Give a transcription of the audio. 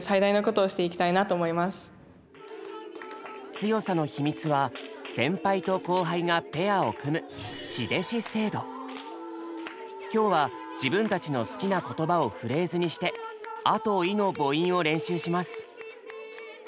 強さの秘密は先輩と後輩がペアを組む今日は自分たちの好きな言葉をフレーズにして「ア」と「イ」の母音を練習します。